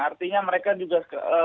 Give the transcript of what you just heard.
artinya mereka juga